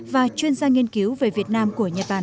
và chuyên gia nghiên cứu về việt nam của nhật bản